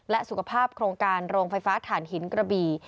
และสุขภาพโครงการโรงไฟฟ้าฐานหินกระบี่